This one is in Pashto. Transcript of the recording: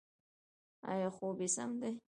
ایا خوب یې سم دی؟